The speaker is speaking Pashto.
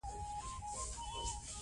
پېیر کوري د جایزې مراسمو کې حاضر و.